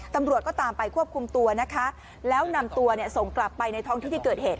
ตำรวจก็ตามไปควบคุมตัวนะคะแล้วนำตัวเนี่ยส่งกลับไปในท้องที่ที่เกิดเหตุ